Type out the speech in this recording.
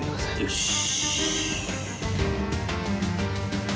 よし。